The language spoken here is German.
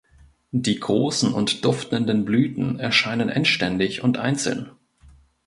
Die großen und duftenden Blüten erscheinen endständig und einzeln.